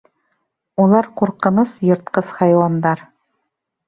Улар ҡурҡыныс, йыртҡыс хайуандар.